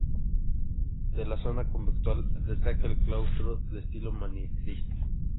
De la zona conventual, destaca el claustro, de estilo manierista.